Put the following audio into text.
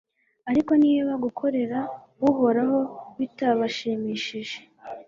ariko niba gukorera uhoraho bitabashimishije